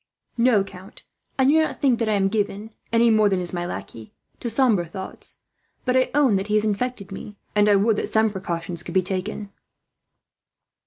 "No, count, I do not think that I am given, any more than is my lackey, to sombre thoughts; but I own that he has infected me, and I would that some precautions could be taken."